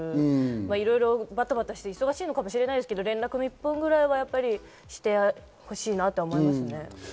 いろいろバタバタして忙しいのかもしれませんけど、一報はしてほしいなと思いますね。